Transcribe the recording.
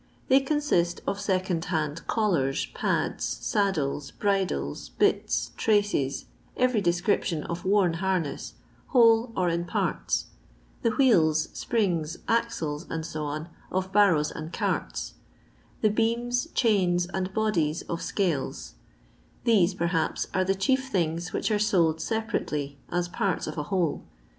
They consist of second hand collars, pads, saddles, bridles, bits, traces, every description of worn harness, whole or in parts; the wheels, springs, axles, &&, of barrows and carts ; the beams, chains, and bodies of A»les ;— these, pe^ haps, are the chief things which ore sold sepa rately, as parts of a whole.